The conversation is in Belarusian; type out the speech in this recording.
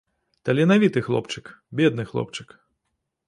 Таленавіты хлопчык, бедны хлопчык.